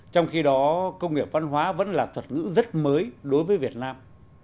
trong khi đó công nghiệp văn hóa vẫn là thuật ngữ rất mới đối với việt nam